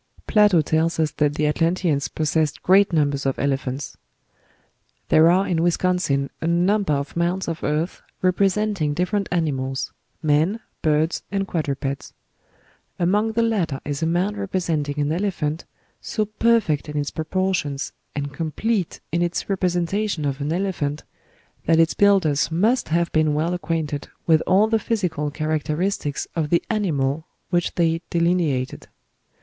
Plato tells us that the Atlanteans possessed great numbers of elephants. There are in Wisconsin a number of mounds of earth representing different animals men, birds, and quadrupeds. ELEPHANT PIPE, LOISA COUNTY, IOWA. Among the latter is a mound representing an elephant, "so perfect in its proportions, and complete in its representation of an elephant, that its builders must have been well acquainted with all the physical characteristics of the animal which they delineated."